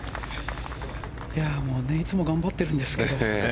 いつも頑張ってるんですけど。